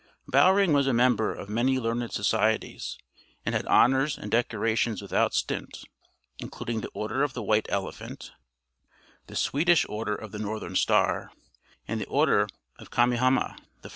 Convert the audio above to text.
Bowring was a member of many learned societies, and had honors and decorations without stint, including the Order of the White Elephant, the Swedish Order of the Northern Star, and the Order of Kamehameha I.